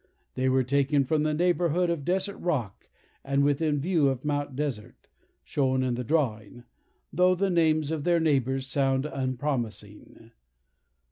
They were taken from the neighbourhood of Desert Rock, and within view of Mount Desert, (shown in the drawing,) though the names of their neighbours sound unpromising.